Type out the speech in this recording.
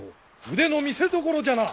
腕の見せどころじゃな。